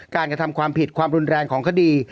กระทำความผิดความรุนแรงของคดี